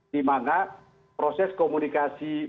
dimana proses komunikasi